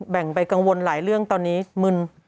แบ่งไปกังวลหลายเรื่องตอนนี้มึน